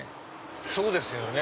そうですよね